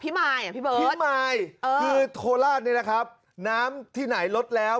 พี่มายพี่เบิ้ลพี่มายเออคือโทราสนี่นะครับน้ำที่ไหนลดแล้ว